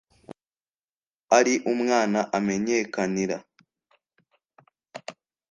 umuntu naho ari umwana amenyekanira